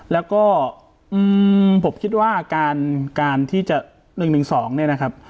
แล้วก็ผมคิดว่าการที่จะ๑๑๒เนี่ยนะครับ